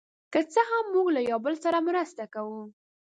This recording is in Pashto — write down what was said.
که څه هم، موږ له یو بل سره مرسته کوو.